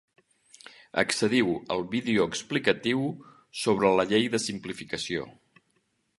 Accediu al vídeo explicatiu sobre la Llei de simplificació.